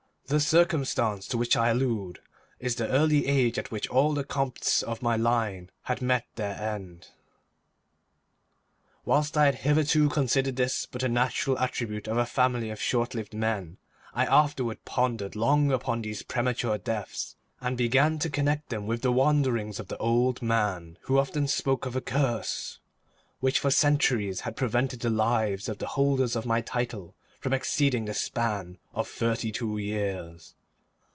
The circumstance to which I allude is the early age at which all the Comtes of my line had met their end. Whilst I had hitherto considered this but a natural attribute of a family of short lived men, I afterward pondered long upon these premature deaths, and began to connect them with the wanderings of the old man, who often spoke of a curse which for centuries had prevented the lives of the holders of my title from much exceeding the span of thirty two years.